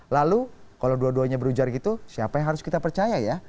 lalu kalau dua duanya berujar gitu siapa yang harus kita percaya ya